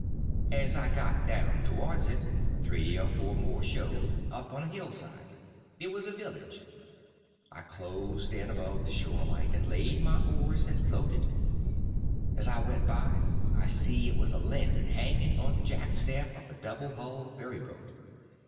As I got down towards it three or four more showed—up on a hillside. It was a village. I closed in above the shore light, and laid on my oars and floated. As I went by I see it was a lantern hanging on the jackstaff of a double hull ferryboat.